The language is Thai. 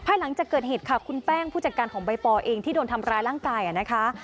หลังจากเกิดเหตุค่ะคุณแป้งผู้จัดการของใบปอเองที่โดนทำร้ายร่างกายนะคะ